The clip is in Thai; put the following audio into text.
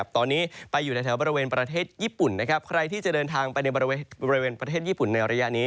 ตอนนี้ไปอยู่ในแถวบริเวณประเทศญี่ปุ่นใครที่จะเดินทางไปในบริเวณประเทศญี่ปุ่นในระยะนี้